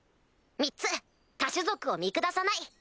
３つ他種族を見下さない。